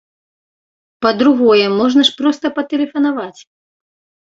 Па-другое, можна ж проста патэлефанаваць!